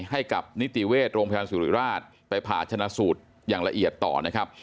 ให้กับนิติเวชโรงพยาบาลสุริราชไปผ่าชนะสูตรอย่างละเอียดต่อนะครับ